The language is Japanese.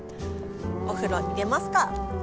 お風呂入れますか！